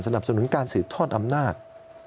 สนุนการสืบทอดอำนาจ